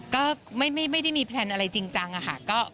ก็ไม่ได้มีแพลนอะไรจริงจังอะค่ะ